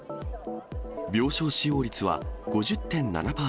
病床使用率は５０．７％。